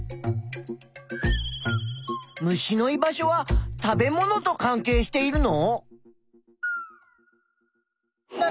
虫の居場所は食べものとかんけいしているの？